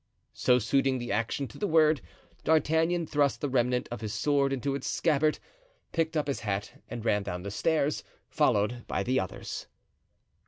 So, suiting the action to the word, D'Artagnan thrust the remnant of his sword into its scabbard, picked up his hat and ran down the stairs, followed by the others.